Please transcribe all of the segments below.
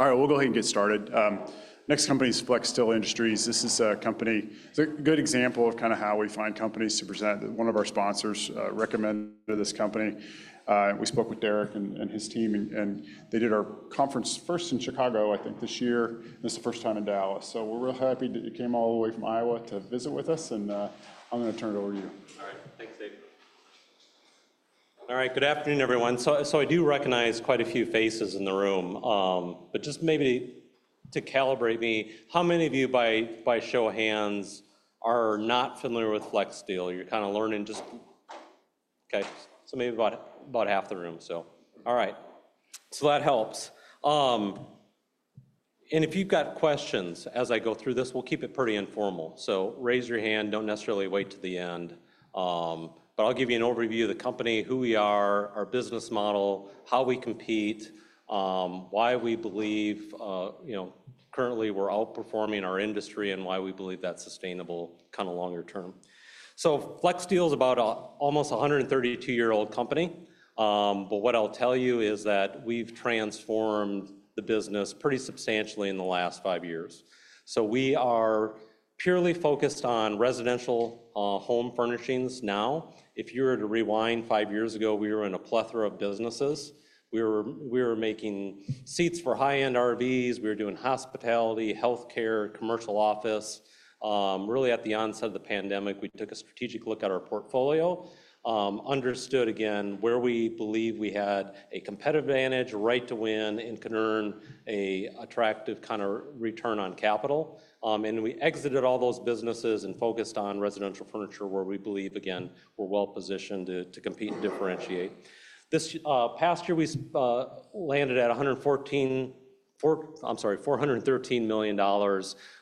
All right, we'll go ahead and get started. Next company is Flexsteel Industries. This is a company, it's a good example of kind of how we find companies to present. One of our sponsors recommended this company. We spoke with Derek and his team, and they did our conference first in Chicago, I think, this year. This is the first time in Dallas. So we're really happy that you came all the way from Iowa to visit with us, and I'm going to turn it over to you. All right, thanks, David. All right, good afternoon, everyone. I do recognize quite a few faces in the room, but just maybe to calibrate me, how many of you, by show of hands, are not familiar with Flexsteel? You're kind of learning just - okay, maybe about half the room. All right, that helps. If you've got questions as I go through this, we'll keep it pretty informal. Raise your hand, don't necessarily wait to the end. I'll give you an overview of the company, who we are, our business model, how we compete, why we believe currently we're outperforming our industry, and why we believe that's sustainable kind of longer term. Flexsteel is about an almost 132-year-old company. What I'll tell you is that we've transformed the business pretty substantially in the last five years. We are purely focused on residential home furnishings now. If you were to rewind five years ago, we were in a plethora of businesses. We were making seats for high-end RVs. We were doing hospitality, healthcare, commercial office. Really, at the onset of the pandemic, we took a strategic look at our portfolio, understood, again, where we believe we had a competitive advantage, a right to win, and could earn an attractive kind of return on capital, and we exited all those businesses and focused on residential furniture, where we believe, again, we're well positioned to compete and differentiate. This past year, we landed at 114 - I'm sorry, $413 million.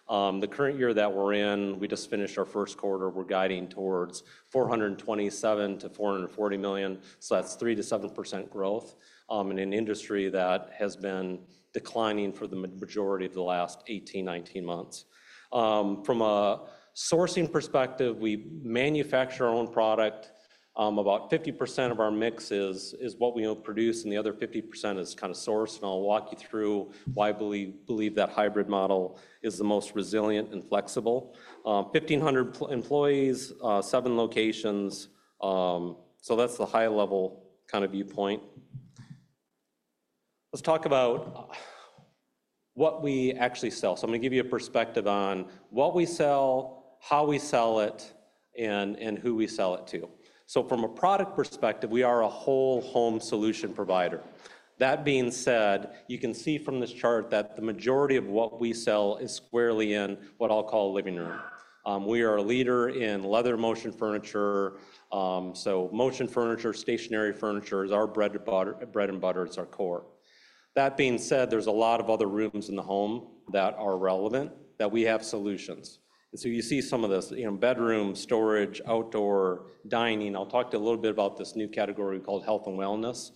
The current year that we're in, we just finished our first quarter. We're guiding towards $427 million-$440 million, so that's 3%-7% growth in an industry that has been declining for the majority of the last 18, 19 months. From a sourcing perspective, we manufacture our own product. About 50% of our mix is what we produce, and the other 50% is kind of sourced. And I'll walk you through why we believe that hybrid model is the most resilient and flexible. 1,500 employees, seven locations. So that's the high-level kind of viewpoint. Let's talk about what we actually sell. So I'm going to give you a perspective on what we sell, how we sell it, and who we sell it to. So from a product perspective, we are a whole home solution provider. That being said, you can see from this chart that the majority of what we sell is squarely in what I'll call a living room. We are a leader in leather motion furniture. So motion furniture, stationary furniture is our bread and butter. It's our core. That being said, there's a lot of other rooms in the home that are relevant that we have solutions. And so you see some of this: bedroom, storage, outdoor, dining. I'll talk to you a little bit about this new category called health and wellness.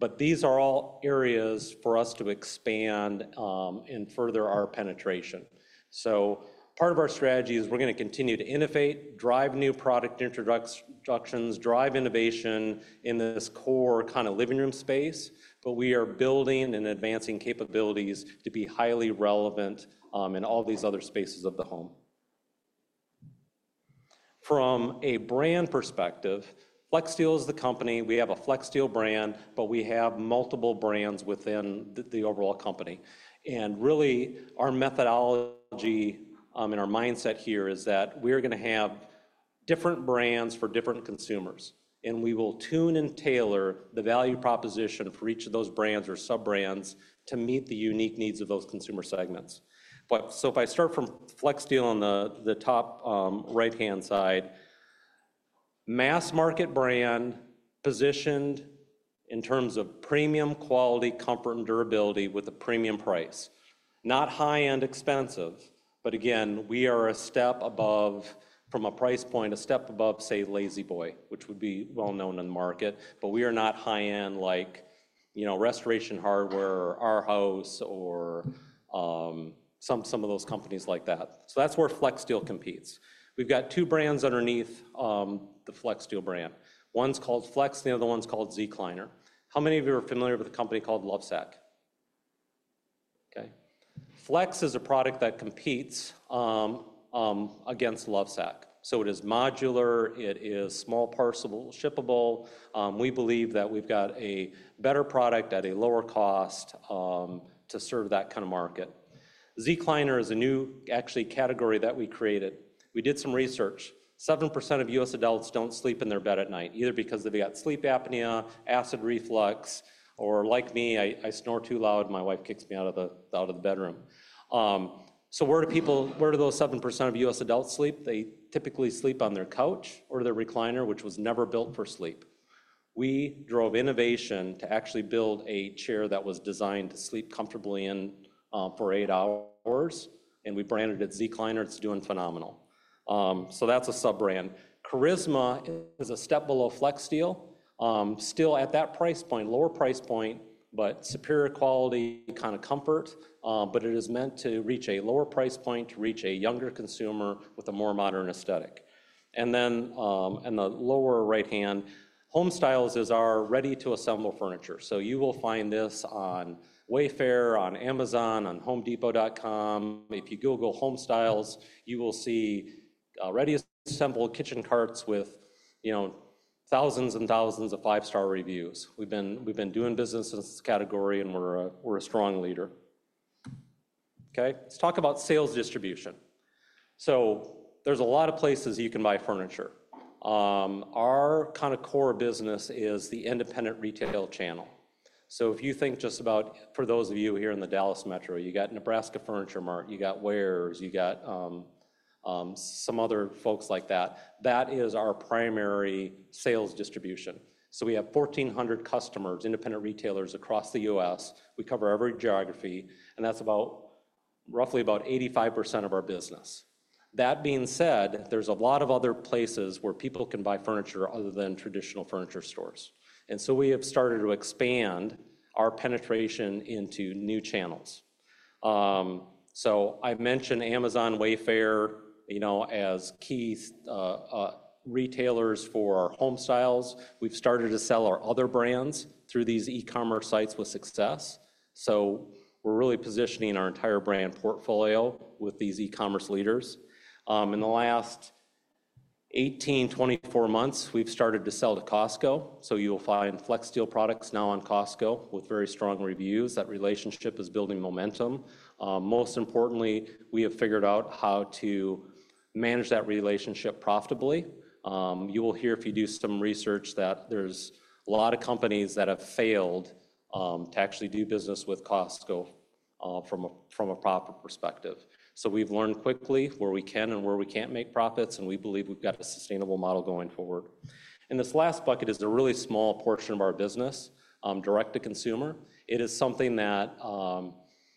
But these are all areas for us to expand and further our penetration. So part of our strategy is we're going to continue to innovate, drive new product introductions, drive innovation in this core kind of living room space. But we are building and advancing capabilities to be highly relevant in all these other spaces of the home. From a brand perspective, Flexsteel is the company. We have a Flexsteel brand, but we have multiple brands within the overall company. Really, our methodology and our mindset here is that we're going to have different brands for different consumers, and we will tune and tailor the value proposition for each of those brands or sub-brands to meet the unique needs of those consumer segments. So if I start from Flexsteel on the top right-hand side, mass-market brand positioned in terms of premium quality, comfort, and durability with a premium price. Not high-end expensive, but again, we are a step above from a price point, a step above, say, La-Z-Boy, which would be well-known in the market. But we are not high-end like Restoration Hardware or Arhaus or some of those companies like that. So that's where Flexsteel competes. We've got two brands underneath the Flexsteel brand. One's called Flex, and the other one's called Zecliner. How many of you are familiar with a company called Lovesac? Okay. Flex is a product that competes against Lovesac. So it is modular. It is small parcel shippable. We believe that we've got a better product at a lower cost to serve that kind of market. Zecliner is a new, actually, category that we created. We did some research. 7% of U.S. adults don't sleep in their bed at night, either because they've got sleep apnea, acid reflux, or like me, I snore too loud and my wife kicks me out of the bedroom. So where do those 7% of U.S. adults sleep? They typically sleep on their couch or their recliner, which was never built for sleep. We drove innovation to actually build a chair that was designed to sleep comfortably in for eight hours, and we branded it Zecliner. It's doing phenomenal. So that's a sub-brand. Charisma is a step below Flexsteel. Still at that price point, lower price point, but superior quality kind of comfort, but it is meant to reach a lower price point, to reach a younger consumer with a more modern aesthetic, and then on the lower right-hand, Homestyles is our ready-to-assemble furniture, so you will find this on Wayfair, on Amazon, on HomeDepot.com. If you Google Homestyles, you will see ready-to-assemble kitchen carts with thousands and thousands of five-star reviews. We've been doing business in this category, and we're a strong leader. Okay, let's talk about sales distribution, so there's a lot of places you can buy furniture. Our kind of core business is the independent retail channel, so if you think just about, for those of you here in the Dallas metro, you got Nebraska Furniture Mart, you got Weir's, you got some other folks like that, that is our primary sales distribution. We have 1,400 customers, independent retailers across the U.S. We cover every geography, and that's roughly about 85% of our business. That being said, there's a lot of other places where people can buy furniture other than traditional furniture stores. We have started to expand our penetration into new channels. I mentioned Amazon, Wayfair as key retailers for Homestyles. We've started to sell our other brands through these e-commerce sites with success. We're really positioning our entire brand portfolio with these e-commerce leaders. In the last 18-24 months, we've started to sell to Costco. You will find Flexsteel products now on Costco with very strong reviews. That relationship is building momentum. Most importantly, we have figured out how to manage that relationship profitably. You will hear, if you do some research, that there's a lot of companies that have failed to actually do business with Costco from a profit perspective. So we've learned quickly where we can and where we can't make profits, and we believe we've got a sustainable model going forward. And this last bucket is a really small portion of our business, direct-to-consumer. It is something that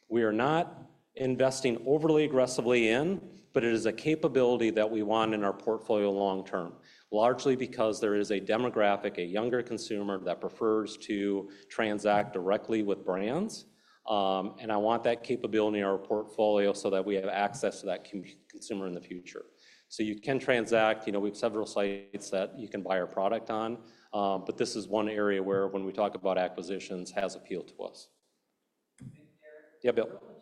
we are not investing overly aggressively in, but it is a capability that we want in our portfolio long-term, largely because there is a demographic, a younger consumer that prefers to transact directly with brands . And I want that capability in our portfolio so that we have access to that consumer in the future. So you can transact. We have several sites that you can buy our product on, but this is one area where, when we talk about acquisitions, has appealed to us. Thank you, Derek. Relative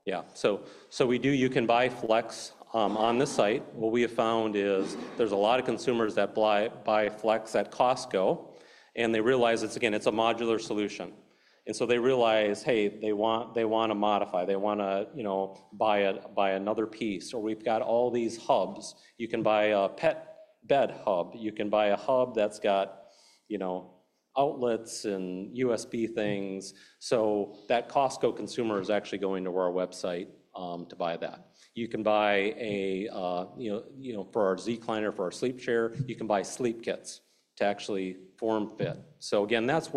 to that website, Lovesac sells a lot of product online. Is the Flex product sold there? And is there a way to—is there a play there at all? Yeah. So you can buy Flex on the site. What we have found is there's a lot of consumers that buy Flex at Costco, and they realize it's, again, it's a modular solution. And so they realize, hey, they want to modify. They want to buy another piece. Or we've got all these hubs. You can buy a pet bed hub. You can buy a hub that's got outlets and USB things. So that Costco consumer is actually going to our website to buy that. You can buy—for our Zecliner, for our sleep chair, you can buy sleep kits to actually form fit. So again, that's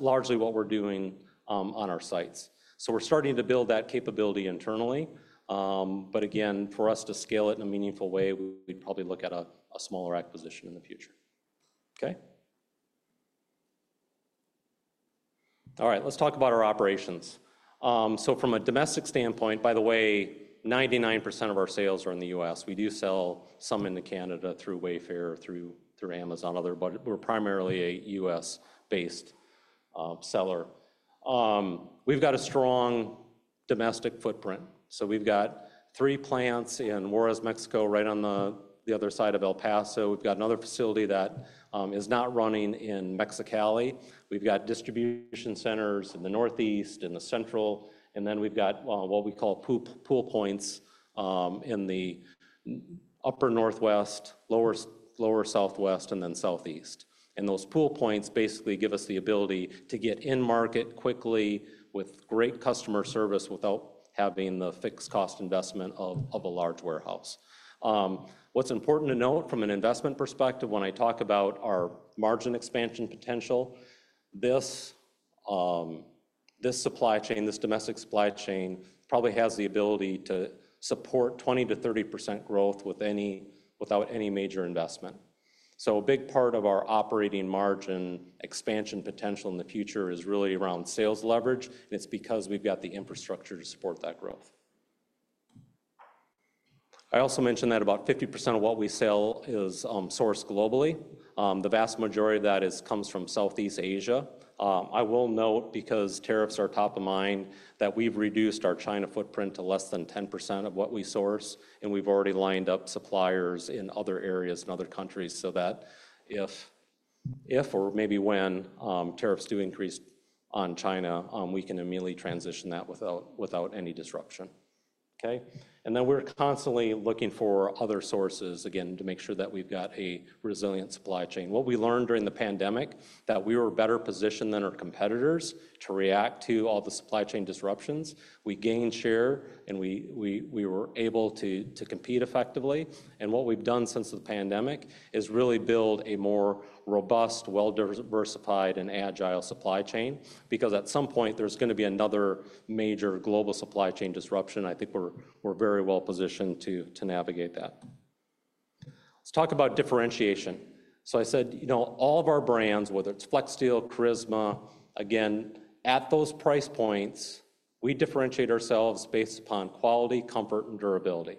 largely what we're doing on our sites. So we're starting to build that capability internally. But again, for us to scale it in a meaningful way, we'd probably look at a smaller acquisition in the future. Okay. All right, let's talk about our operations. So from a domestic standpoint, by the way, 99% of our sales are in the U.S. We do sell some into Canada through Wayfair, through Amazon, but we're primarily a U.S.-based seller. We've got a strong domestic footprint. So we've got three plants in Juárez, Mexico, right on the other side of El Paso. We've got another facility that is not running in Mexicali. We've got distribution centers in the Northeast and the central. And then we've got what we call pool points in the upper Northwest, lower Southwest, and then Southeast. And those pool points basically give us the ability to get in market quickly with great customer service without having the fixed cost investment of a large warehouse. What's important to note from an investment perspective when I talk about our margin expansion potential, this supply chain, this domestic supply chain probably has the ability to support 20%-30% growth without any major investment, so a big part of our operating margin expansion potential in the future is really around sales leverage. And it's because we've got the infrastructure to support that growth. I also mentioned that about 50% of what we sell is sourced globally. The vast majority of that comes from Southeast Asia. I will note, because tariffs are top of mind, that we've reduced our China footprint to less than 10% of what we source, and we've already lined up suppliers in other areas and other countries so that if, or maybe when tariffs do increase on China, we can immediately transition that without any disruption. Okay. Then we're constantly looking for other sources, again, to make sure that we've got a resilient supply chain. What we learned during the pandemic is that we were better positioned than our competitors to react to all the supply chain disruptions. We gained share, and we were able to compete effectively. What we've done since the pandemic is really build a more robust, well-diversified, and agile supply chain. Because at some point, there's going to be another major global supply chain disruption. I think we're very well positioned to navigate that. Let's talk about differentiation. I said, all of our brands, whether it's Flexsteel, Charisma, again, at those price points, we differentiate ourselves based upon quality, comfort, and durability.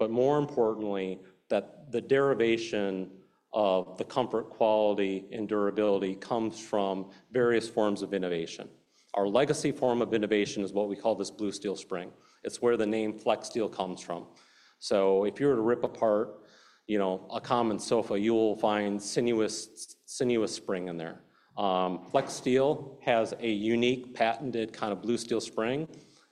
More importantly, the derivation of the comfort, quality, and durability comes from various forms of innovation. Our legacy form of innovation is what we call this Blue Steel Spring. It's where the name Flexsteel comes from. So if you were to rip apart a common sofa, you will find sinuous spring in there. Flexsteel has a unique patented kind of Blue Steel Spring.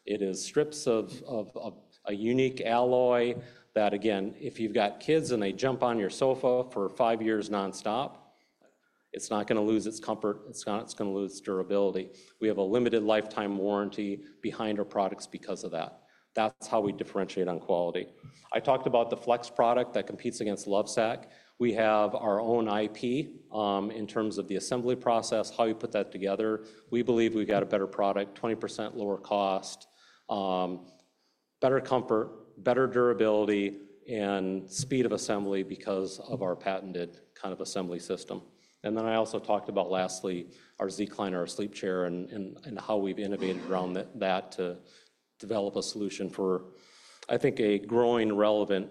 It is strips of a unique alloy that, again, if you've got kids and they jump on your sofa for five years nonstop, it's not going to lose its comfort. It's going to lose its durability. We have a limited lifetime warranty behind our products because of that. That's how we differentiate on quality. I talked about the Flex product that competes against Lovesac. We have our own IP in terms of the assembly process, how you put that together. We believe we've got a better product, 20% lower cost, better comfort, better durability, and speed of assembly because of our patented kind of assembly system. And then I also talked about lastly, our Zecliner, our sleep chair, and how we've innovated around that to develop a solution for, I think, a growing relevant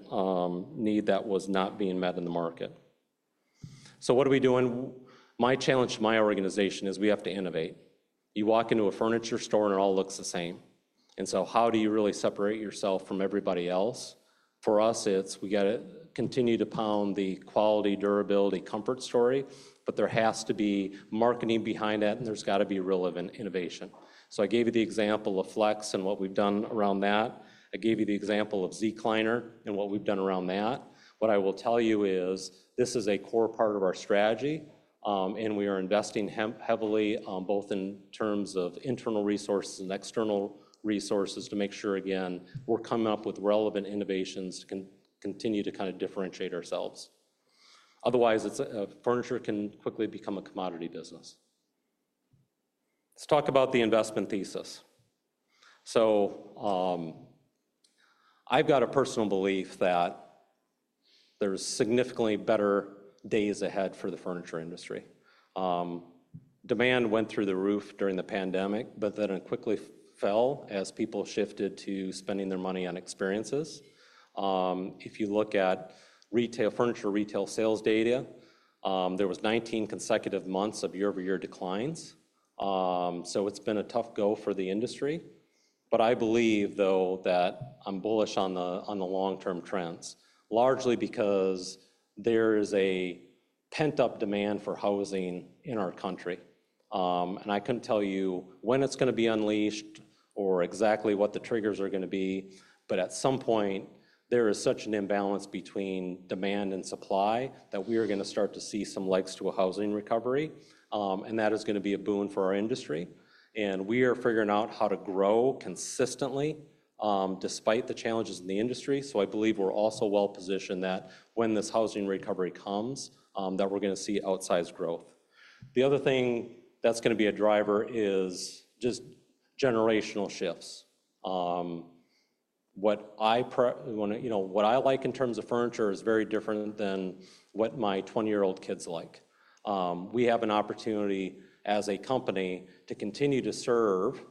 need that was not being met in the market. So what are we doing? My challenge to my organization is we have to innovate. You walk into a furniture store and it all looks the same. And so how do you really separate yourself from everybody else? For us, it's we got to continue to pound the quality, durability, comfort story, but there has to be marketing behind that, and there's got to be relevant innovation. So I gave you the example of Flex and what we've done around that. I gave you the example of Zecliner and what we've done around that. What I will tell you is this is a core part of our strategy, and we are investing heavily both in terms of internal resources and external resources to make sure, again, we're coming up with relevant innovations to continue to kind of differentiate ourselves. Otherwise, furniture can quickly become a commodity business. Let's talk about the investment thesis, so I've got a personal belief that there's significantly better days ahead for the furniture industry. Demand went through the roof during the pandemic, but then it quickly fell as people shifted to spending their money on experiences. If you look at furniture retail sales data, there were 19 consecutive months of year-over-year declines, so it's been a tough go for the industry. But I believe, though, that I'm bullish on the long-term trends, largely because there is a pent-up demand for housing in our country. And I couldn't tell you when it's going to be unleashed or exactly what the triggers are going to be. But at some point, there is such an imbalance between demand and supply that we are going to start to see some light to a housing recovery. And that is going to be a boon for our industry. And we are figuring out how to grow consistently despite the challenges in the industry. So I believe we're also well positioned that when this housing recovery comes, that we're going to see outsized growth. The other thing that's going to be a driver is just generational shifts. What I like in terms of furniture is very different than what my 20-year-old kids like. We have an opportunity as a company to continue to serve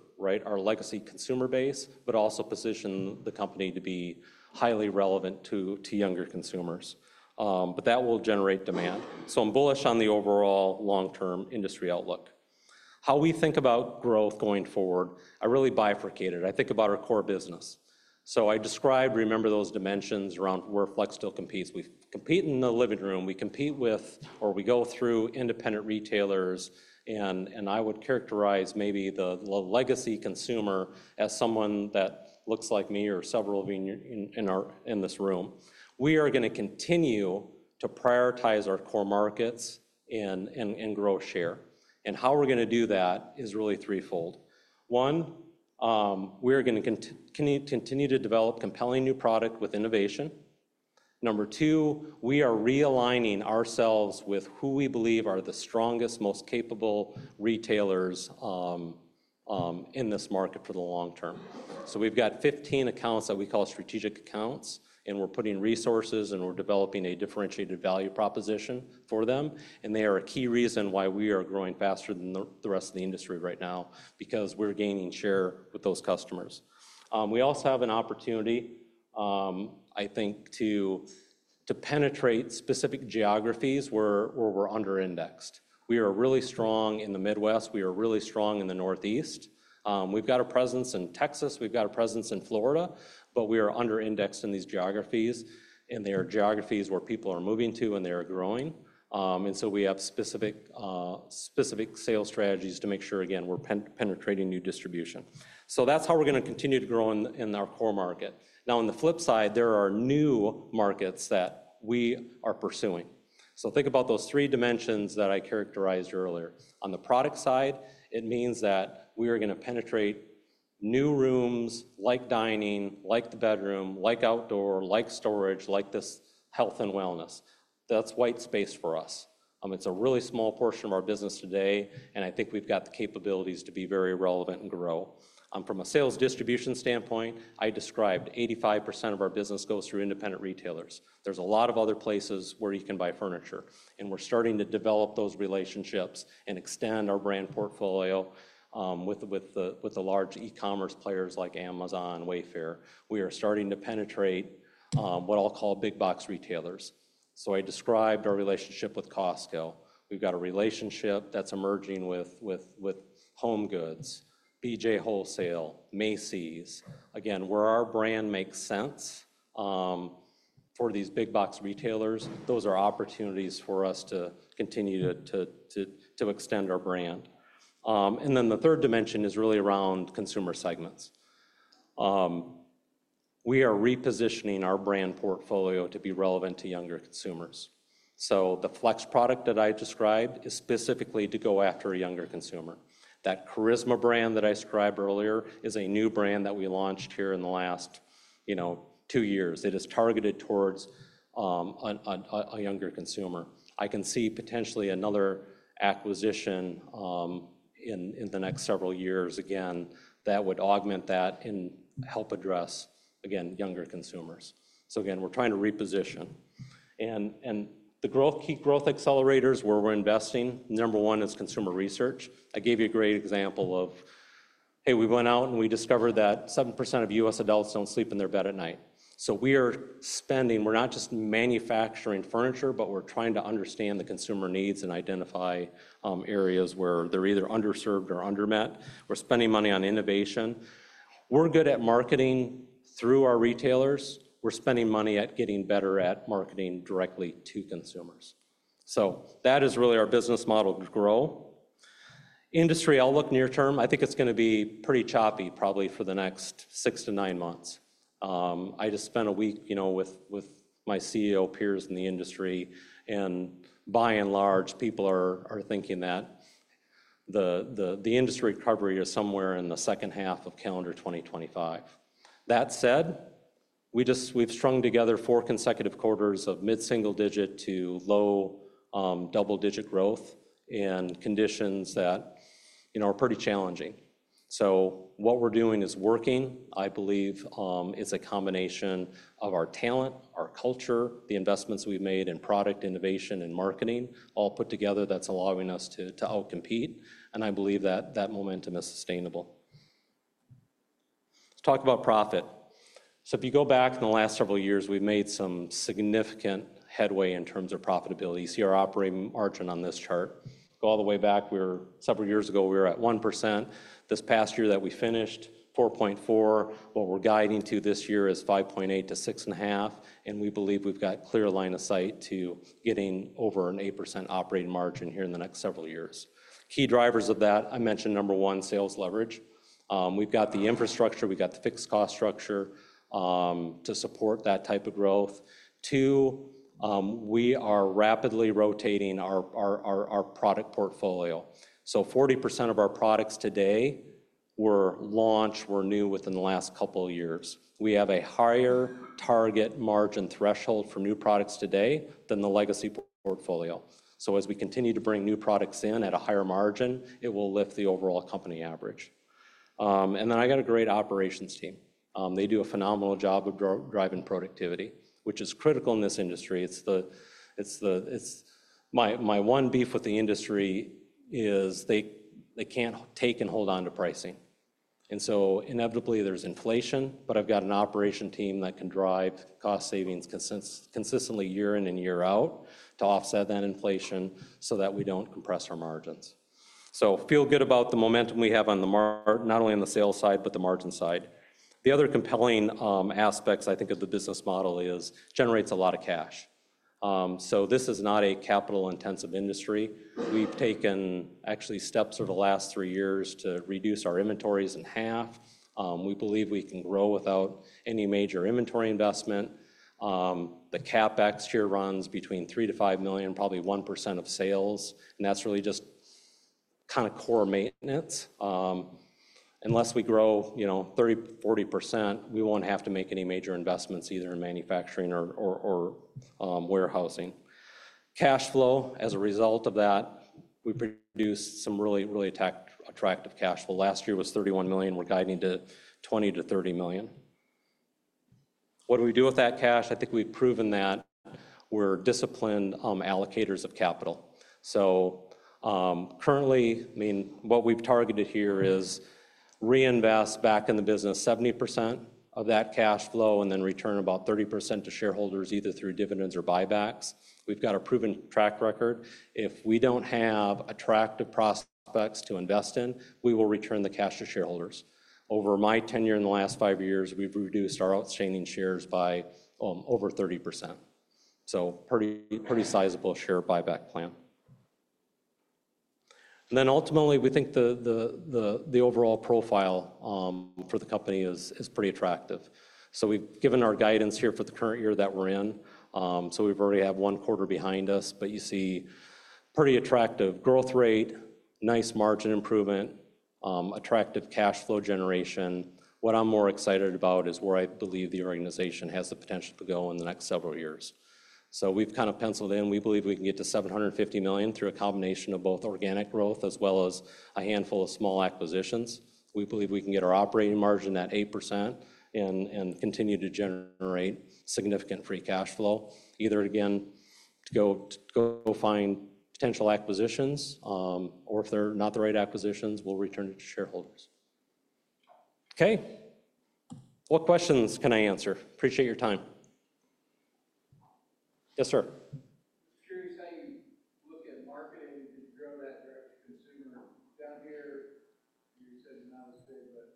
our legacy consumer base, but also position the company to be highly relevant to younger consumers, but that will generate demand, so I'm bullish on the overall long-term industry outlook. How we think about growth going forward, I really bifurcate it. I think about our core business, so I described, remember those dimensions around where Flexsteel competes. We compete in the living room. We compete with, or we go through independent retailers, and I would characterize maybe the legacy consumer as someone that looks like me or several of you in this room. We are going to continue to prioritize our core markets and grow share, and how we're going to do that is really threefold. One, we are going to continue to develop compelling new product with innovation. Number two, we are realigning ourselves with who we believe are the strongest, most capable retailers in this market for the long term. So we've got 15 accounts that we call strategic accounts, and we're putting resources, and we're developing a differentiated value proposition for them. And they are a key reason why we are growing faster than the rest of the industry right now because we're gaining share with those customers. We also have an opportunity, I think, to penetrate specific geographies where we're under-indexed. We are really strong in the Midwest. We are really strong in the Northeast. We've got a presence in Texas. We've got a presence in Florida, but we are under-indexed in these geographies. And they are geographies where people are moving to, and they are growing. And so we have specific sales strategies to make sure, again, we're penetrating new distribution. So that's how we're going to continue to grow in our core market. Now, on the flip side, there are new markets that we are pursuing. So think about those three dimensions that I characterized earlier. On the product side, it means that we are going to penetrate new rooms like dining, like the bedroom, like outdoor, like storage, like this health and wellness. That's white space for us. It's a really small portion of our business today, and I think we've got the capabilities to be very relevant and grow. From a sales distribution standpoint, I described 85% of our business goes through independent retailers. There's a lot of other places where you can buy furniture. And we're starting to develop those relationships and extend our brand portfolio with the large e-commerce players like Amazon, Wayfair. We are starting to penetrate what I'll call big box retailers. So I described our relationship with Costco. We've got a relationship that's emerging with HomeGoods, BJ's Wholesale, Macy's. Again, where our brand makes sense for these big box retailers, those are opportunities for us to continue to extend our brand. And then the third dimension is really around consumer segments. We are repositioning our brand portfolio to be relevant to younger consumers. So the Flex product that I described is specifically to go after a younger consumer. That Charisma brand that I described earlier is a new brand that we launched here in the last two years. It is targeted towards a younger consumer. I can see potentially another acquisition in the next several years, again, that would augment that and help address, again, younger consumers. So again, we're trying to reposition. And the key growth accelerators where we're investing, number one is consumer research. I gave you a great example of, hey, we went out and we discovered that 7% of U.S. adults don't sleep in their bed at night. So we are spending, we're not just manufacturing furniture, but we're trying to understand the consumer needs and identify areas where they're either underserved or undermet. We're spending money on innovation. We're good at marketing through our retailers. We're spending money at getting better at marketing directly to consumers. So that is really our business model to grow. Industry outlook near term, I think it's going to be pretty choppy probably for the next six to nine months. I just spent a week with my CEO peers in the industry, and by and large, people are thinking that the industry recovery is somewhere in the second half of calendar 2025. That said, we've strung together four consecutive quarters of mid-single-digit to low double-digit growth in conditions that are pretty challenging. So what we're doing is working, I believe, is a combination of our talent, our culture, the investments we've made in product innovation and marketing, all put together that's allowing us to outcompete. And I believe that that momentum is sustainable. Let's talk about profit. So if you go back in the last several years, we've made some significant headway in terms of profitability. You see our operating margin on this chart. Go all the way back, several years ago, we were at 1%. This past year that we finished, 4.4%. What we're guiding to this year is 5.8%-6.5%. And we believe we've got a clear line of sight to getting over an 8% operating margin here in the next several years. Key drivers of that, I mentioned number one, sales leverage. We've got the infrastructure. We've got the fixed cost structure to support that type of growth. Two, we are rapidly rotating our product portfolio. So 40% of our products today were launched or new within the last couple of years. We have a higher target margin threshold for new products today than the legacy portfolio. So as we continue to bring new products in at a higher margin, it will lift the overall company average, and then I got a great operations team. They do a phenomenal job of driving productivity, which is critical in this industry. My one beef with the industry is they can't take and hold on to pricing. And so inevitably, there's inflation, but I've got an operations team that can drive cost savings consistently year in and year out to offset that inflation so that we don't compress our margins. So feel good about the momentum we have on the market, not only on the sales side, but the margin side. The other compelling aspects, I think, of the business model is it generates a lot of cash. So this is not a capital-intensive industry. We've taken actually steps over the last three years to reduce our inventories in half. We believe we can grow without any major inventory investment. The CapEx here runs between $3-$5 million, probably 1% of sales. And that's really just kind of core maintenance. Unless we grow 30-40%, we won't have to make any major investments either in manufacturing or warehousing. Cash flow, as a result of that, we produce some really, really attractive cash flow. Last year was $31 million. We're guiding to $20 million-$30 million. What do we do with that cash? I think we've proven that we're disciplined allocators of capital. So currently, I mean, what we've targeted here is reinvest back in the business 70% of that cash flow and then return about 30% to shareholders either through dividends or buybacks. We've got a proven track record. If we don't have attractive prospects to invest in, we will return the cash to shareholders. Over my tenure in the last five years, we've reduced our outstanding shares by over 30%. So pretty sizable share buyback plan and then ultimately, we think the overall profile for the company is pretty attractive, so we've given our guidance here for the current year that we're in. So we've already had one quarter behind us, but you see pretty attractive growth rate, nice margin improvement, attractive cash flow generation. What I'm more excited about is where I believe the organization has the potential to go in the next several years. So we've kind of penciled in. We believe we can get to $750 million through a combination of both organic growth as well as a handful of small acquisitions. We believe we can get our operating margin at 8% and continue to generate significant free cash flow, either again to go find potential acquisitions, or if they're not the right acquisitions, we'll return it to shareholders. Okay. What questions can I answer? Appreciate your time. Yes, sir. I'm curious how you look at marketing to grow that direct-to-consumer. Down here, you said it's not as big, but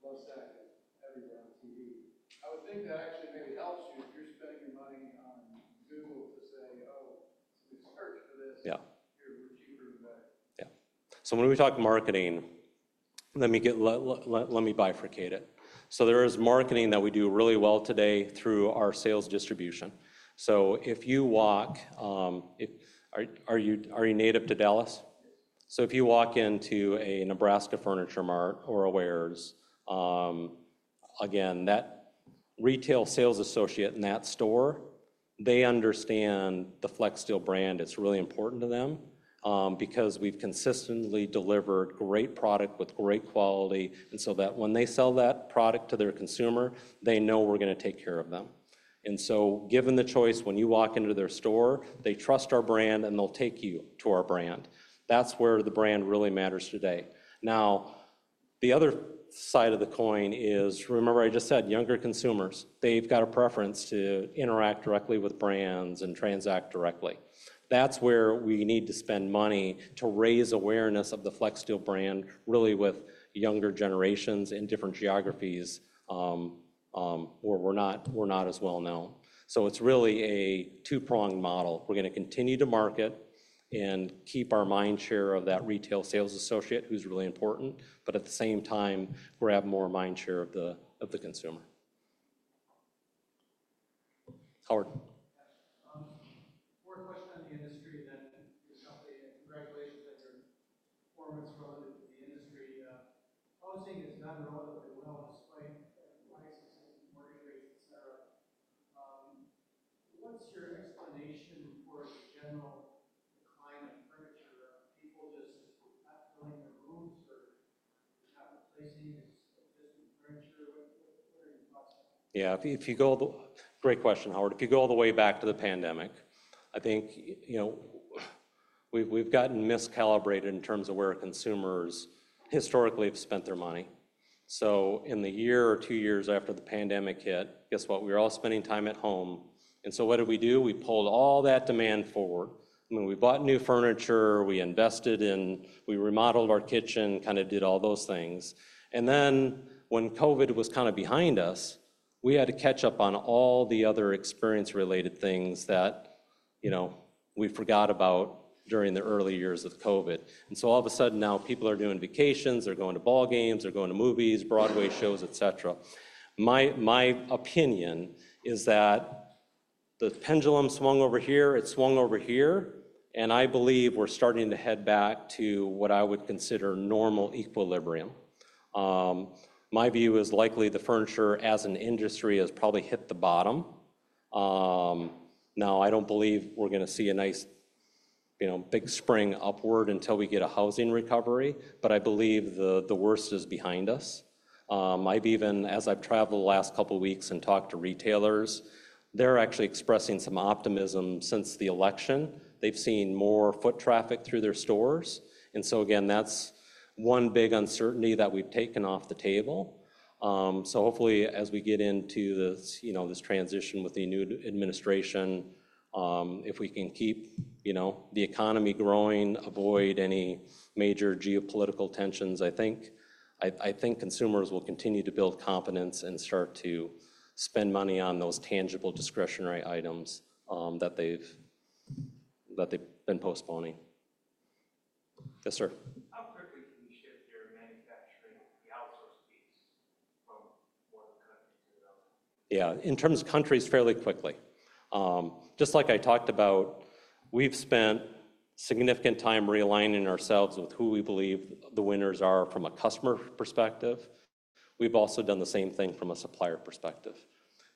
less active everywhere on TV. I would think that actually maybe helps you if you're spending your money on Google to say, "Oh, let me search for this." Yeah. We're cheaper on Wayfair. Yeah. So when we talk marketing, let me bifurcate it. So there is marketing that we do really well today through our sales distribution. So if you walk, are you native to Dallas? Yes. So if you walk into a Nebraska Furniture Mart or a Weir's, again, that retail sales associate in that store, they understand the Flexsteel brand. It's really important to them because we've consistently delivered great product with great quality. And so that when they sell that product to their consumer, they know we're going to take care of them. And so given the choice, when you walk into their store, they trust our brand and they'll take you to our brand. That's where the brand really matters today. Now, the other side of the coin is, remember I just said younger consumers, they've got a preference to interact directly with brands and transact directly. That's where we need to spend money to raise awareness of the Flexsteel brand really with younger generations in different geographies where we're not as well known. So it's really a two-pronged model. We're going to continue to market and keep our mind share of that retail sales associate who's really important, but at the same time, grab more mind share of the consumer. Howard? More a question on the industry than your company. And congratulations on your performance relative to the industry. Housing has done relatively well despite prices and mortgage rates, etc. What's your explanation for the general decline of furniture? Are people just not filling their rooms or not replacing existing furniture? What are your thoughts on that? Yeah. Great question, Howard. If you go all the way back to the pandemic, I think we've gotten miscalibrated in terms of where consumers historically have spent their money. So in the year or two years after the pandemic hit, guess what? We were all spending time at home. And so what did we do? We pulled all that demand forward. I mean, we bought new furniture. We remodeled our kitchen, kind of did all those things. And then when COVID was kind of behind us, we had to catch up on all the other experience-related things that we forgot about during the early years of COVID. And so all of a sudden now, people are doing vacations. They're going to ball games. They're going to movies, Broadway shows, etc. My opinion is that the pendulum swung over here. It swung over here. I believe we're starting to head back to what I would consider normal equilibrium. My view is likely the furniture as an industry has probably hit the bottom. Now, I don't believe we're going to see a nice big spring upward until we get a housing recovery, but I believe the worst is behind us. As I've traveled the last couple of weeks and talked to retailers, they're actually expressing some optimism since the election. They've seen more foot traffic through their stores. And so again, that's one big uncertainty that we've taken off the table. So hopefully, as we get into this transition with the new administration, if we can keep the economy growing, avoid any major geopolitical tensions, I think consumers will continue to build confidence and start to spend money on those tangible discretionary items that they've been postponing. Yes, sir. How quickly can you shift your manufacturing, the outsource piece, from one country to another? Yeah. In terms of countries, fairly quickly. Just like I talked about, we've spent significant time realigning ourselves with who we believe the winners are from a customer perspective. We've also done the same thing from a supplier perspective.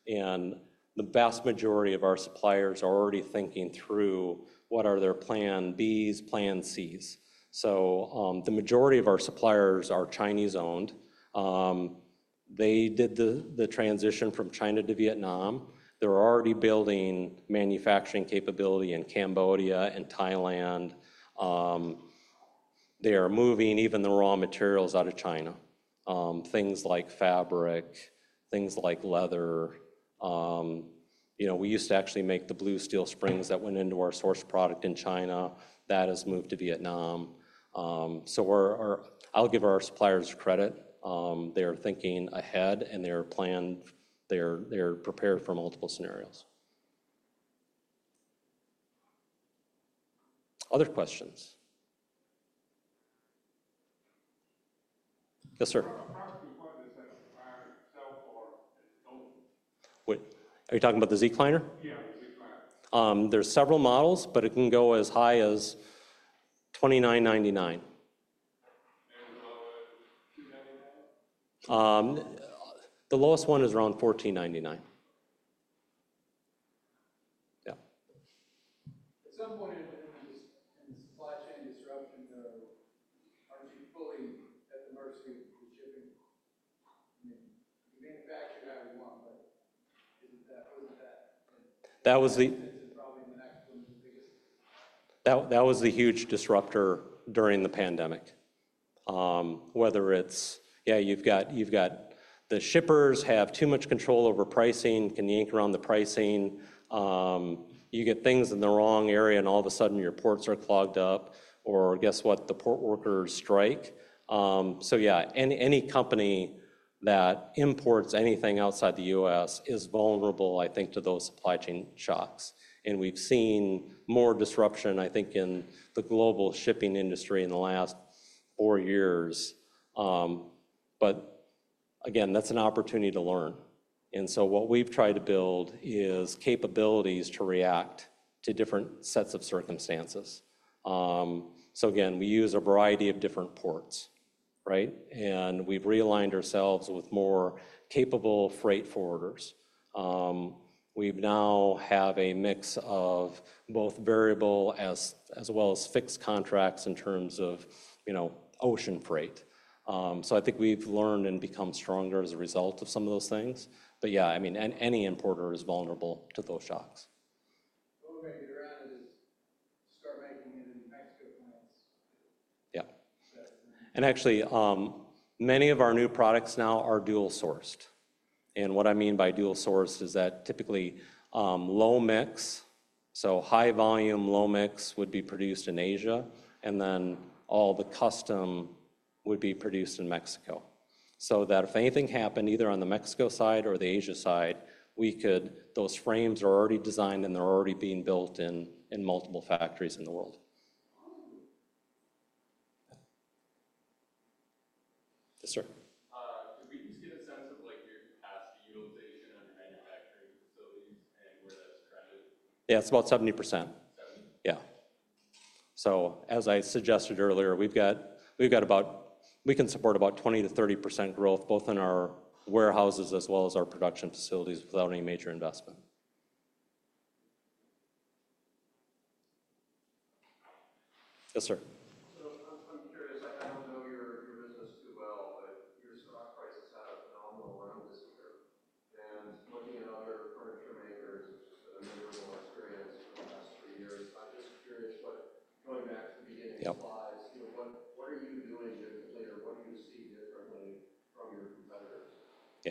And the vast majority of our suppliers are already thinking through what are their plan Bs, plan Cs. So the majority of our suppliers are Chinese-owned. They did the transition from China to Vietnam. They're already building manufacturing capability in Cambodia and Thailand. They are moving even the raw materials out of China, things like fabric, things like leather. We used to actually make the Blue Steel Springs that went into our sourced product in China. That has moved to Vietnam. So I'll give our suppliers credit. They are thinking ahead and they are prepared for multiple scenarios. Other questions? Yes, sir. I'll ask you questions that require sales for its owners. Are you talking about the Zecliner? Yeah, the Zecliner. There's several models, but it can go as high as $29.99. And the lowest one is around $14.99. Yeah. At some point in the supply chain disruption, though, aren't you fully at the mercy of the shipping? I mean, you can manufacture how you want, but isn't that. That was the huge disruptor during the pandemic. Whether it's, yeah, you've got the shippers have too much control over pricing. Can you work around the pricing? You get things in the wrong area and all of a sudden your ports are clogged up. Or guess what? The port workers strike. So yeah, any company that imports anything outside the U.S. is vulnerable, I think, to those supply chain shocks. And we've seen more disruption, I think, in the global shipping industry in the last four years. But again, that's an opportunity to learn. And so what we've tried to build is capabilities to react to different sets of circumstances. So again, we use a variety of different ports, right? And we've realigned ourselves with more capable freight forwarders. We now have a mix of both variable as well as fixed contracts in terms of ocean freight. So I think we've learned and become stronger as a result of some of those things. But yeah, I mean, any importer is vulnerable to those shocks. What we're going to get around is start making it in Mexico plants. Yeah. And actually, many of our new products now are dual-sourced. What I mean by dual-sourced is that typically low mix, so high volume, low mix would be produced in Asia, and then all the custom would be produced in Mexico. So that if anything happened either on the Mexico side or the Asia side, those frames are already designed and they're already being built in multiple factories in the world. Yes, sir. Could we just get a sense of your capacity utilization on your manufacturing facilities and where that's crowded? Yeah, it's about 70%. 70? Yeah. So as I suggested earlier, we've got about we can support about 20%-30% growth both in our warehouses as well as our production facilities without any major investment. Yes, sir.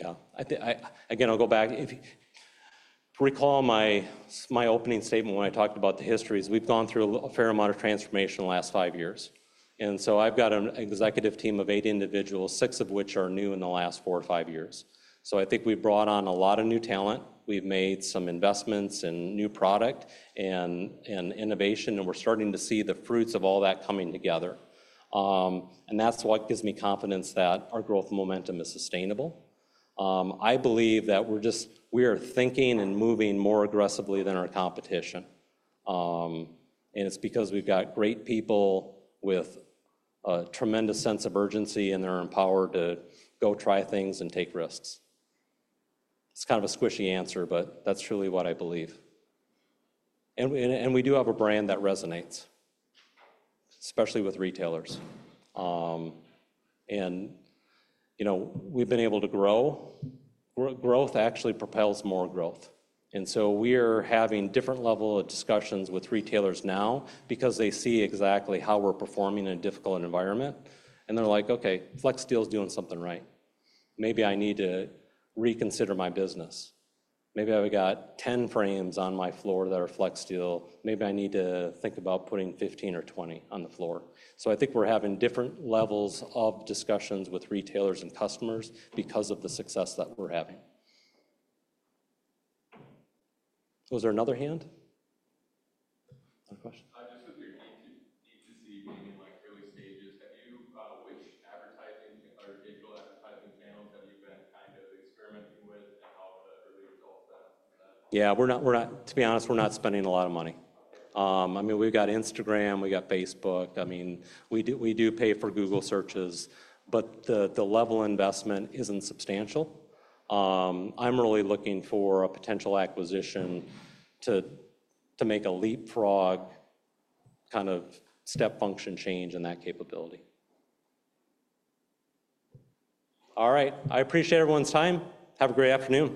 So I'm curious. I don't know your business too well, but your stock prices had a phenomenal run this year. Looking at other furniture makers, it's just been a memorable experience for the last three years. I'm just curious, going back to the beginning of Flex, what are you doing differently or what do you see differently from your competitors? Yeah. Again, I'll go back. Recall my opening statement when I talked about the histories. We've gone through a fair amount of transformation in the last five years. And so I've got an executive team of eight individuals, six of which are new in the last four or five years. So I think we've brought on a lot of new talent. We've made some investments in new product and innovation, and we're starting to see the fruits of all that coming together. And that's what gives me confidence that our growth momentum is sustainable. I believe that we're thinking and moving more aggressively than our competition. And it's because we've got great people with a tremendous sense of urgency, and they're empowered to go try things and take risks. It's kind of a squishy answer, but that's truly what I believe. And we do have a brand that resonates, especially with retailers. And we've been able to grow. Growth actually propels more growth. And so we are having different levels of discussions with retailers now because they see exactly how we're performing in a difficult environment. And they're like, "Okay, Flexsteel's doing something right. Maybe I need to reconsider my business. Maybe I've got 10 frames on my floor that are Flexsteel. Maybe I need to think about putting 15 or 20 on the floor." So I think we're having different levels of discussions with retailers and customers because of the success that we're having. Was there another hand? Another question? I just think you need to see being in early stages. Which advertising or digital advertising channels have you been kind of experimenting with and how have the early results been? Yeah. To be honest, we're not spending a lot of money. I mean, we've got Instagram. We've got Facebook. I mean, we do pay for Google searches, but the level of investment isn't substantial. I'm really looking for a potential acquisition to make a leapfrog kind of step function change in that capability. All right. I appreciate everyone's time. Have a great afternoon.